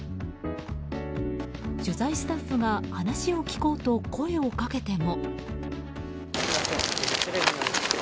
取材スタッフが話を聞こうと声をかけても。